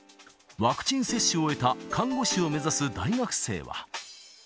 ワクチン接種を終えた看護師を目指す大学生は。